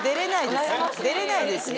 出れないですよ。